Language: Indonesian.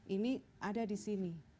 ini ada di sini